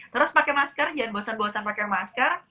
terus pakai masker jangan bosan bosan pakai masker